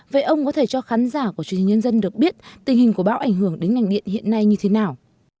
vậy ông có thể cho khán giả của truyền hình nhân dân được biết tình hình của bão ảnh hưởng đến ngành điện hiện nay như thế nào